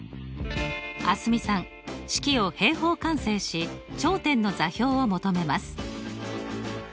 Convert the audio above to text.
蒼澄さん式を平方完成し頂点の座標を求めます。